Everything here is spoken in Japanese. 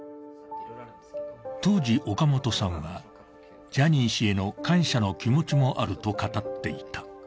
当時オカモトさんはジャニー氏への感謝の気持ちもあると語っていた。